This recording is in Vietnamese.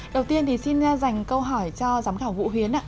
đầu tiên xin dành câu hỏi cho giám khảo vũ huyến